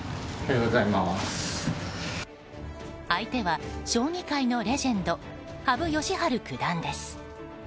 相手は、将棋界のレジェンド羽生善治九段です。